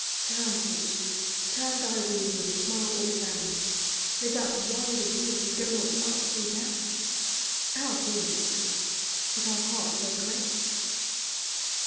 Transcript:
Turn, Fortune, turn thy wheel with smile or frown ; With that wild wheel we go not up or down ; Our hoard is little, but our hearts are great.